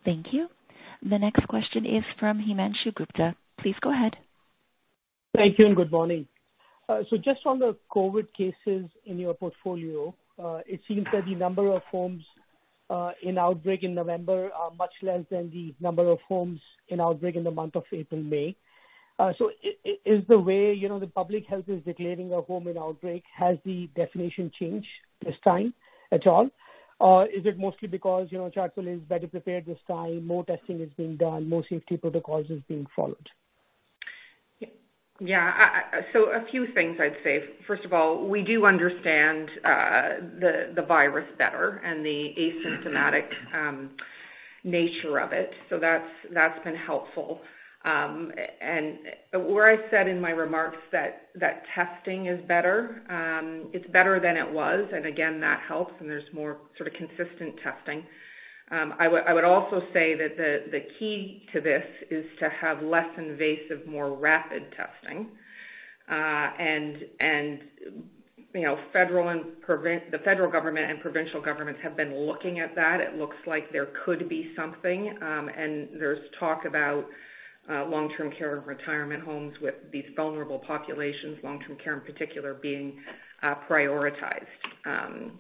Thank you. The next question is from Himanshu Gupta. Please go ahead.
Thank you and good morning. Just on the COVID cases in your portfolio. It seems that the number of homes in outbreak in November are much less than the number of homes in outbreak in the month of April, May. Is the way the public health is declaring a home in outbreak, has the definition changed this time at all? Or is it mostly because Chartwell is better prepared this time, more testing is being done, more safety protocols is being followed?
Yeah. A few things I'd say. First of all, we do understand the virus better and the asymptomatic nature of it. That's been helpful. Where I said in my remarks that testing is better, it's better than it was, and again, that helps, and there's more sort of consistent testing. I would also say that the key to this is to have less invasive, more rapid testing. The federal government and provincial governments have been looking at that. It looks like there could be something, and there's talk about long-term care and retirement homes with these vulnerable populations, long-term care in particular, being prioritized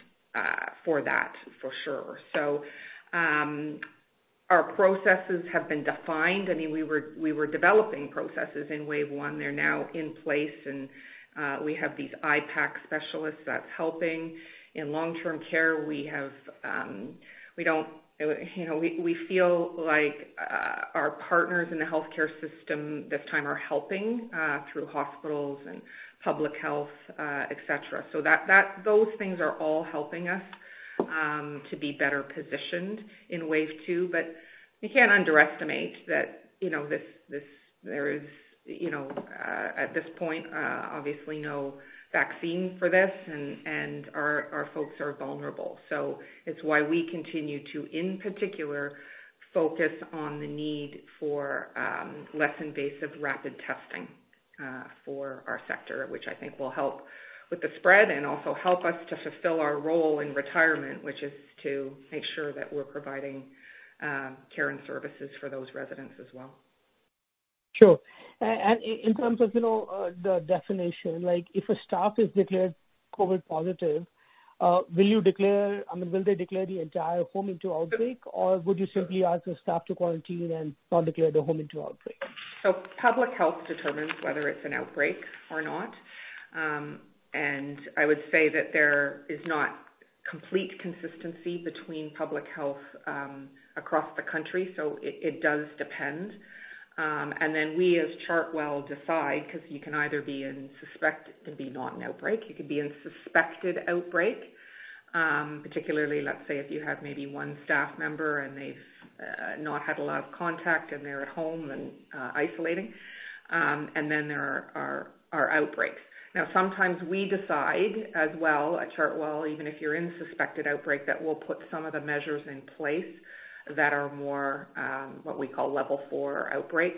for that, for sure. Our processes have been defined. We were developing processes in wave one. They're now in place and we have these IPAC specialists that's helping. In long-term care, we feel like our partners in the healthcare system this time are helping through hospitals and public health, et cetera. Those things are all helping us to be better positioned in wave two. You can't underestimate that there is, at this point, obviously no vaccine for this, and our folks are vulnerable. It's why we continue to, in particular, focus on the need for less invasive rapid testing for our sector, which I think will help with the spread and also help us to fulfill our role in retirement, which is to make sure that we're providing care and services for those residents as well.
Sure. In terms of the definition, if a staff is declared COVID positive, will they declare the entire home into outbreak, or would you simply ask the staff to quarantine and not declare the home into outbreak?
Public health determines whether it's an outbreak or not. I would say that there is not complete consistency between public health across the country, it does depend. We, as Chartwell, decide, because you can either be in suspect and be not an outbreak. You could be in suspected outbreak, particularly, let's say, if you have maybe one staff member, and they've not had a lot of contact, and they're at home and isolating. There are outbreaks. Sometimes we decide as well at Chartwell, even if you're in suspected outbreak, that we'll put some of the measures in place that are more what we call level 4 outbreak.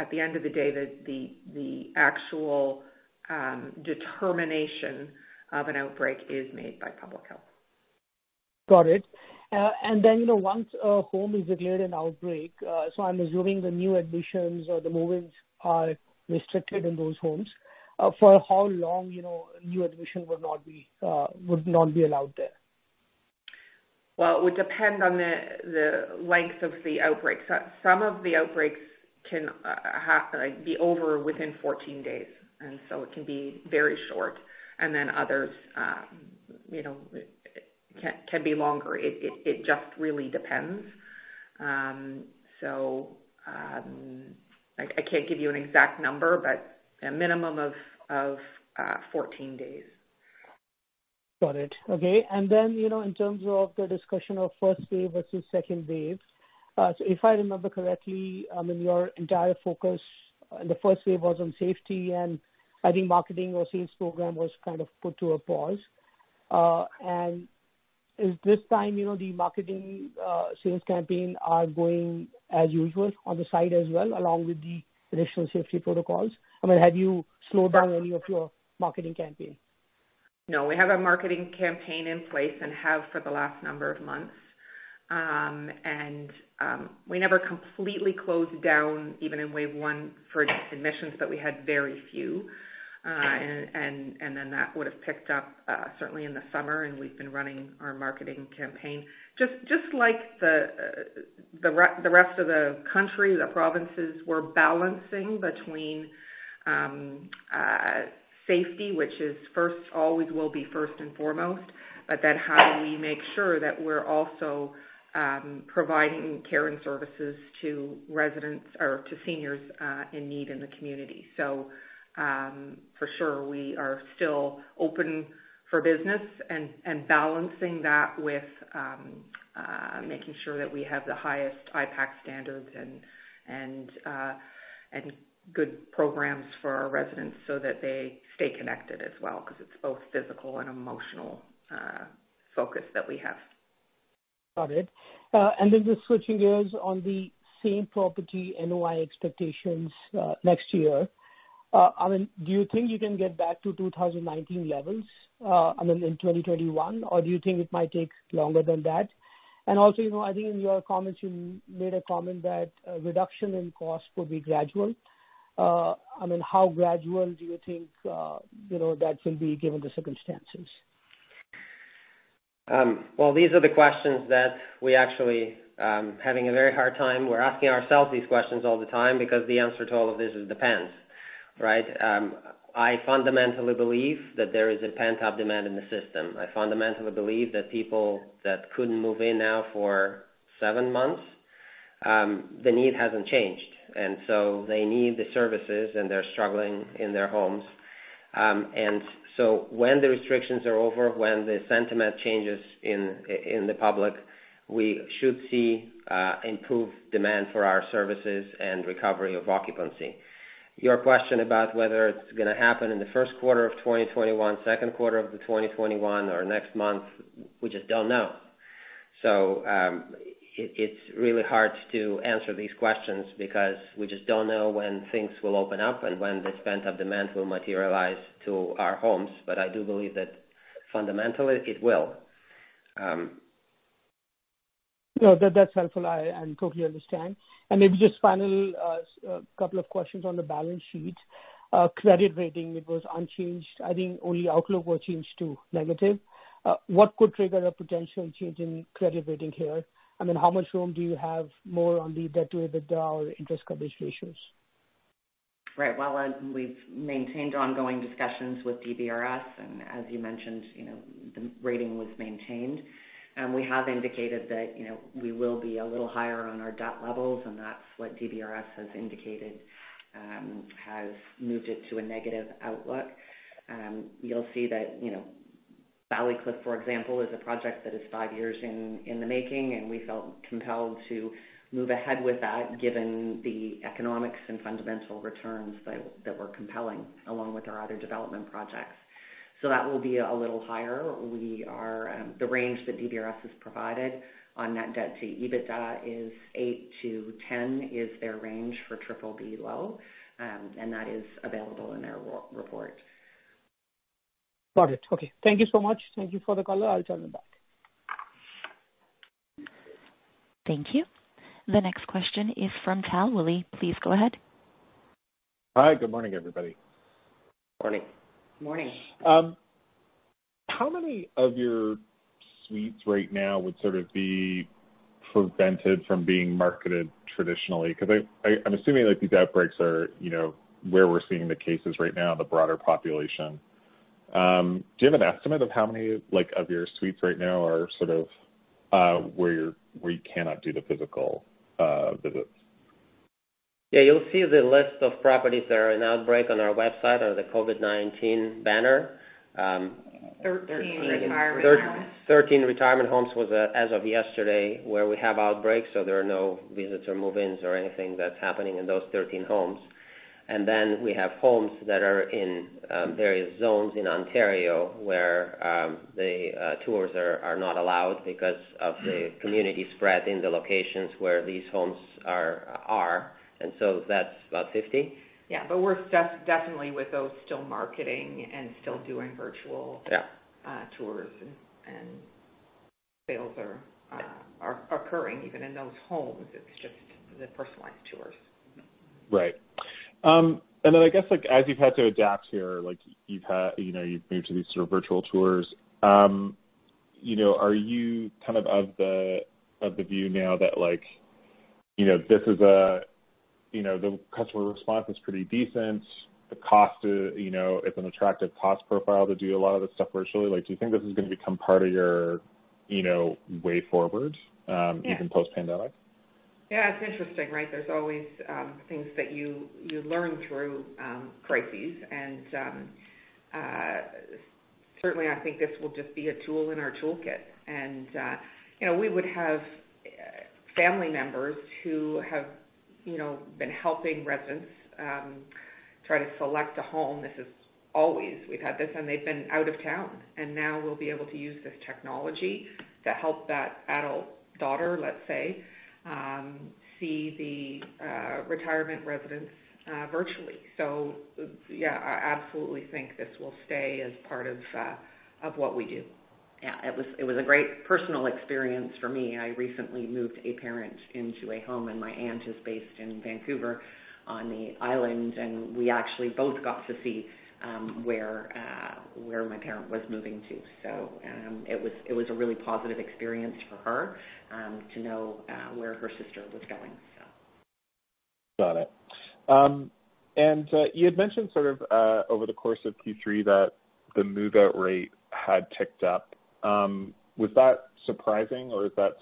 At the end of the day, the actual determination of an outbreak is made by public health.
Got it. Once a home is declared an outbreak, I'm assuming the new admissions or the move-ins are restricted in those homes. For how long new admission would not be allowed there?
Well, it would depend on the length of the outbreak. Some of the outbreaks can be over within 14 days, and so it can be very short. Others can be longer. It just really depends. I can't give you an exact number, but a minimum of 14 days.
Got it. Okay. In terms of the discussion of first wave versus second wave, if I remember correctly, in your entire focus in the first wave was on safety, and I think marketing or sales program was kind of put to a pause. Is this time, the marketing sales campaign are going as usual on the side as well, along with the additional safety protocols? Have you slowed down any of your marketing campaigns?
No, we have a marketing campaign in place and have for the last number of months. We never completely closed down, even in wave one for admissions, but we had very few. That would've picked up, certainly in the summer, and we've been running our marketing campaign. Just like the rest of the country, the provinces were balancing between safety, which is first, always will be first and foremost. How do we make sure that we're also providing care and services to residents or to seniors in need in the community. For sure, we are still open for business and balancing that with making sure that we have the highest IPAC standards and good programs for our residents so that they stay connected as well, because it's both physical and emotional focus that we have.
Got it. Then just switching gears on the same property NOI expectations next year. Do you think you can get back to 2019 levels in 2021, or do you think it might take longer than that? Also, I think in your comments, you made a comment that a reduction in cost will be gradual. How gradual do you think that will be given the circumstances?
Well, these are the questions that we actually, having a very hard time. We're asking ourselves these questions all the time because the answer to all of this is depends, right? I fundamentally believe that there is a pent-up demand in the system. I fundamentally believe that people that couldn't move in now for seven months, the need hasn't changed. They need the services, and they're struggling in their homes. When the restrictions are over, when the sentiment changes in the public, we should see improved demand for our services and recovery of occupancy. Your question about whether it's gonna happen in the first quarter of 2021, second quarter of the 2021, or next month, we just don't know. It's really hard to answer these questions because we just don't know when things will open up and when this pent-up demand will materialize to our homes. I do believe that fundamentally it will.
No, that's helpful. I totally understand. Maybe just final couple of questions on the balance sheet. Credit rating, it was unchanged. I think only outlook was changed to negative. What could trigger a potential change in credit rating here? How much room do you have more on the debt to EBITDA or interest coverage ratios?
Right. Well, we've maintained ongoing discussions with DBRS, and as you mentioned, the rating was maintained. We have indicated that we will be a little higher on our debt levels, and that's what DBRS has indicated, has moved it to a negative outlook. You'll see that Ballycliffe, for example, is a project that is five years in the making, and we felt compelled to move ahead with that given the economics and fundamental returns that were compelling, along with our other development projects. That will be a little higher. The range that DBRS has provided on net debt to EBITDA is 8-10, is their range for BBB (low). That is available in their report.
Got it. Okay. Thank you so much. Thank you for the color. I'll turn it back.
Thank you. The next question is from Tal Woolley. Please go ahead.
Hi. Good morning, everybody.
Morning.
Morning.
How many of your suites right now would sort of be prevented from being marketed traditionally? I'm assuming, like, these outbreaks are where we're seeing the cases right now in the broader population. Do you have an estimate of how many of your suites right now are sort of, where you cannot do the physical visits?
Yeah, you'll see the list of properties that are in outbreak on our website or the COVID-19 banner.
13 retirement homes.
13 retirement homes was as of yesterday where we have outbreaks, so there are no visits or move-ins or anything that's happening in those 13 homes. We have homes that are in various zones in Ontario where the tours are not allowed because of the community spread in the locations where these homes are. That's about 50.
Yeah, we're definitely with those still marketing and still doing virtual-
Yeah
tours and sales are occurring even in those homes. It's just the personalized tours.
Right. I guess as you've had to adapt here, you've moved to these sort of virtual tours. Are you kind of the view now that the customer response is pretty decent? It's an attractive cost profile to do a lot of this stuff virtually. Do you think this is going to become part of your way forward?
Yeah
even post-pandemic?
Yeah, it's interesting, right? There's always things that you learn through crises, and certainly, I think this will just be a tool in our toolkit. We would have family members who have been helping residents try to select a home. This is always, we've had this, and they've been out of town. Now we'll be able to use this technology to help that adult daughter, let's say, see the retirement residence virtually. Yeah, I absolutely think this will stay as part of what we do.
It was a great personal experience for me. I recently moved a parent into a home. My aunt is based in Vancouver on the island. We actually both got to see where my parent was moving to. It was a really positive experience for her to know where her sister was going.
Got it. You had mentioned over the course of Q3 that the move-out rate had ticked up. Was that surprising, or is that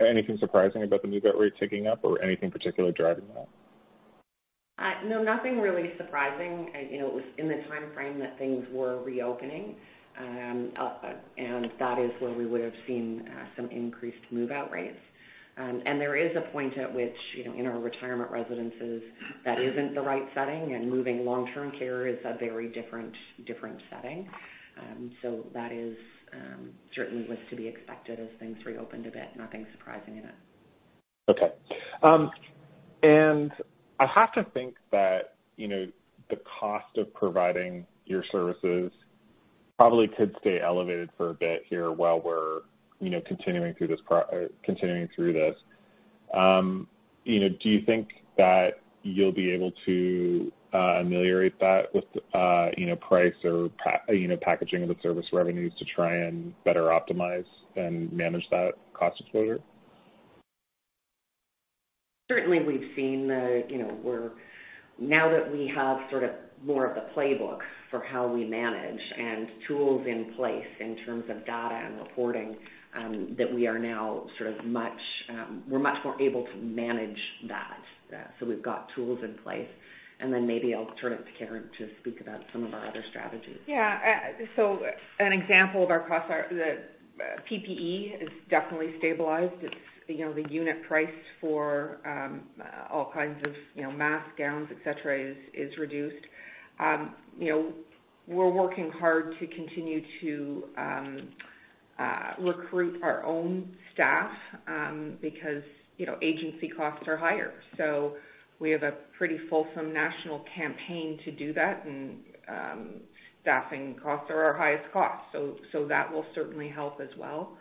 anything surprising about the move-out rate ticking up, or anything particular driving that?
No, nothing really surprising. It was in the timeframe that things were reopening, that is where we would've seen some increased move-out rates. There is a point at which, in our retirement residences, that isn't the right setting, moving long-term care is a very different setting. That certainly was to be expected as things reopened a bit. Nothing surprising in it.
Okay. I have to think that the cost of providing your services probably could stay elevated for a bit here while we're continuing through this. Do you think that you'll be able to ameliorate that with price or packaging of the service revenues to try and better optimize and manage that cost exposure?
Certainly, we've seen that now that we have more of the playbook for how we manage and tools in place in terms of data and reporting, that we are now much more able to manage that. We've got tools in place, and then maybe I'll turn it to Karen to speak about some of our other strategies.
An example of our costs are the PPE is definitely stabilized. The unit price for all kinds of masks, gowns, et cetera, is reduced. We're working hard to continue to recruit our own staff, because agency costs are higher. We have a pretty fulsome national campaign to do that, and staffing costs are our highest cost. That will certainly help as well.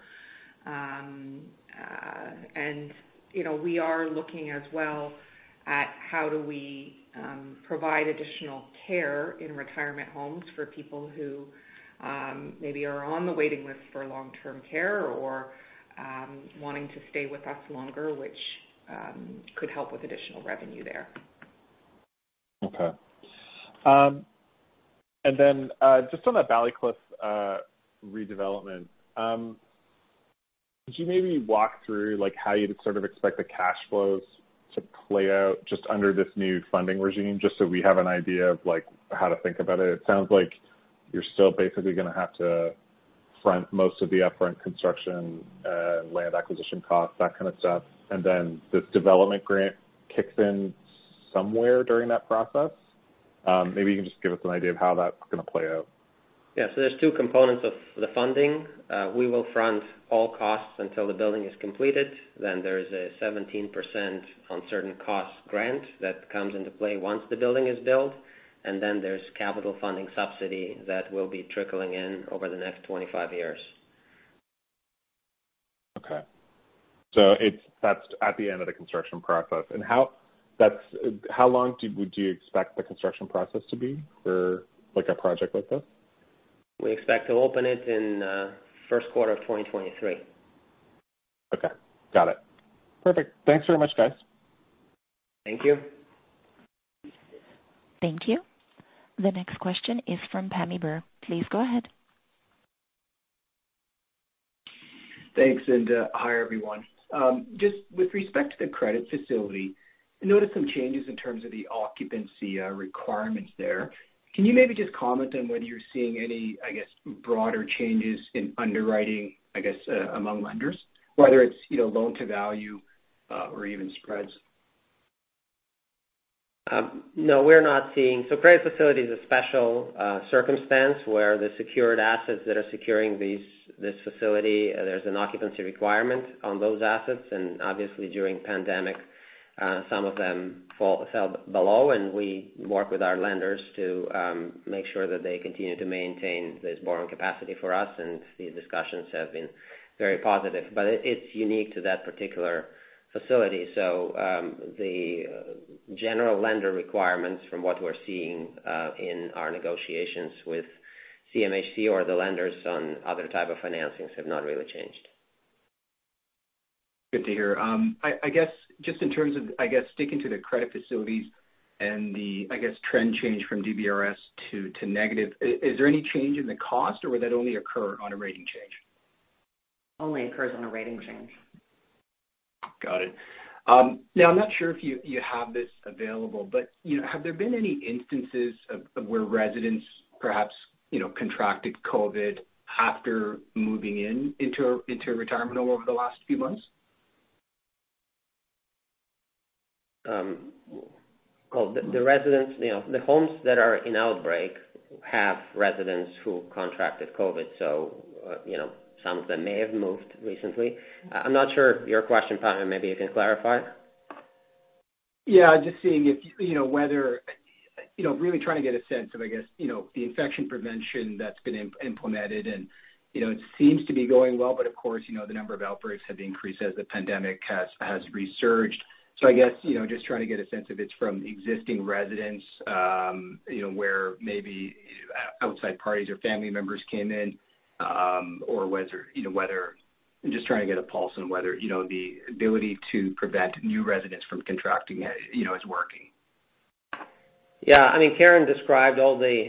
We are looking as well at how do we provide additional care in retirement homes for people who maybe are on the waiting list for long-term care or wanting to stay with us longer, which could help with additional revenue there.
Okay. Just on that Ballycliffe redevelopment, could you maybe walk through how you'd expect the cash flows to play out just under this new funding regime, just so we have an idea of how to think about it? It sounds like you're still basically going to have to front most of the upfront construction and land acquisition costs, that kind of stuff. This development grant kicks in somewhere during that process. Maybe you can just give us an idea of how that's going to play out.
There's two components of the funding. We will front all costs until the building is completed. There is a 17% on certain costs grant that comes into play once the building is built. There's capital funding subsidy that will be trickling in over the next 25 years.
Okay. That's at the end of the construction process. How long would you expect the construction process to be for a project like this?
We expect to open it in first quarter of 2023.
Okay. Got it. Perfect. Thanks very much, guys.
Thank you.
Thank you. The next question is from Pammi Bir. Please go ahead.
Thanks. Hi, everyone. Just with respect to the credit facility, I noticed some changes in terms of the occupancy requirements there. Can you maybe just comment on whether you're seeing any, I guess, broader changes in underwriting, I guess, among lenders, whether it's loan to value or even spreads?
No. Credit facility is a special circumstance where the secured assets that are securing this facility, there's an occupancy requirement on those assets. Obviously, during pandemic, some of them fell below, and we work with our lenders to make sure that they continue to maintain this borrowing capacity for us. The discussions have been very positive. It's unique to that particular facility. The general lender requirements from what we're seeing in our negotiations with CMHC or the lenders on other type of financings have not really changed.
Good to hear. I guess, just in terms of sticking to the credit facilities, and the, I guess, trend change from DBRS to negative, is there any change in the cost or would that only occur on a rating change?
Only occurs on a rating change.
Got it. I'm not sure if you have this available, but have there been any instances of where residents perhaps contracted COVID after moving into a retirement home over the last few months?
The homes that are in outbreak have residents who contracted COVID, so some of them may have moved recently. I'm not sure of your question, Pammi, maybe you can clarify?
Yeah, just really trying to get a sense of, I guess, the infection prevention that's been implemented and it seems to be going well. Of course, the number of outbreaks have increased as the pandemic has resurged. I guess, just trying to get a sense if it's from existing residents, where maybe outside parties or family members came in, I'm just trying to get a pulse on whether the ability to prevent new residents from contracting it is working.
Yeah. Karen described all the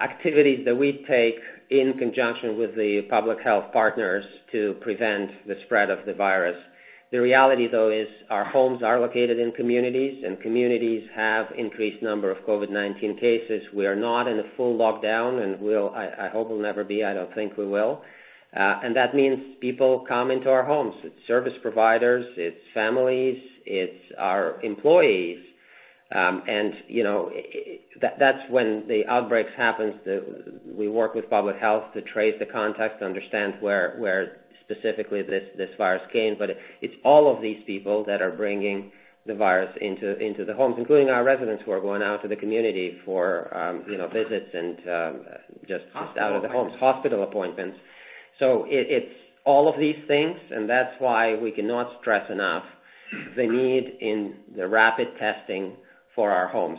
activities that we take in conjunction with the public health partners to prevent the spread of the virus. The reality, though, is our homes are located in communities, and communities have increased number of COVID-19 cases. We are not in a full lockdown, and I hope we'll never be. I don't think we will. That means people come into our homes. It's service providers, it's families, it's our employees. That's when the outbreaks happens. We work with public health to trace the contacts to understand where specifically this virus came. It's all of these people that are bringing the virus into the homes, including our residents who are going out to the community for visits and just out of the homes, hospital appointments. It's all of these things, and that's why we cannot stress enough the need in the rapid testing for our homes.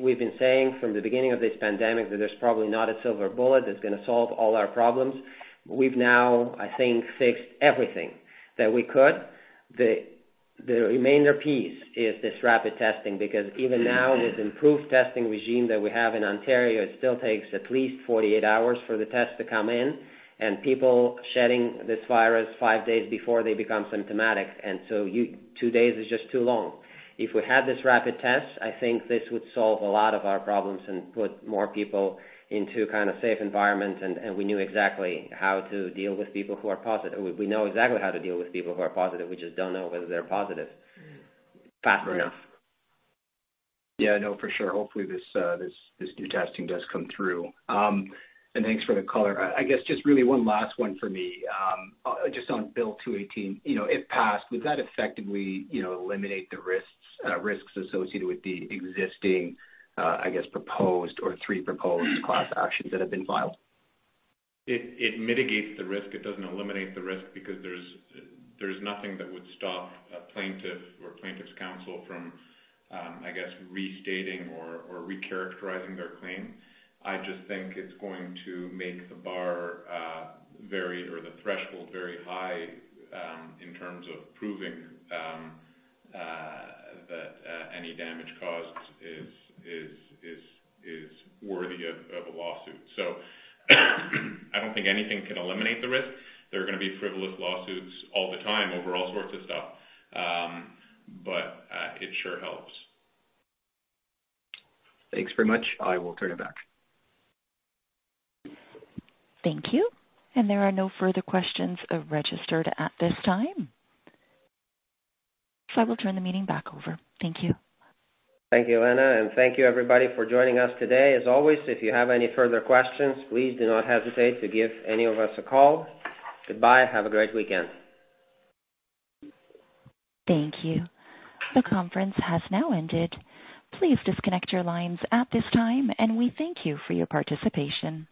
We've been saying from the beginning of this pandemic that there's probably not a silver bullet that's going to solve all our problems. We've now, I think, fixed everything that we could. The remainder piece is this rapid testing, because even now, this improved testing regime that we have in Ontario, it still takes at least 48 hours for the test to come in, and people shedding this virus five days before they become symptomatic. Two days is just too long. If we had this rapid test, I think this would solve a lot of our problems and put more people into a kind of safe environment, and we knew exactly how to deal with people who are positive. We know exactly how to deal with people who are positive. We just don't know whether they're positive fast enough.
Yeah, I know for sure. Hopefully this new testing does come through. Thanks for the color. I guess just really one last one for me. Just on Bill 218. If passed, would that effectively eliminate the risks associated with the existing, I guess, proposed or three proposed class actions that have been filed?
It mitigates the risk. It doesn't eliminate the risk because there's nothing that would stop a plaintiff or plaintiff's counsel from, I guess, restating or recharacterizing their claim. I just think it's going to make the bar, or the threshold very high, in terms of proving that any damage caused is worthy of a lawsuit. I don't think anything can eliminate the risk. There are going to be frivolous lawsuits all the time over all sorts of stuff, but it sure helps.
Thanks very much. I will turn it back.
Thank you. There are no further questions registered at this time. I will turn the meeting back over. Thank you.
Thank you, Anna, thank you everybody for joining us today. As always, if you have any further questions, please do not hesitate to give any of us a call. Goodbye. Have a great weekend.
Thank you. The conference has now ended. Please disconnect your lines at this time, and we thank you for your participation.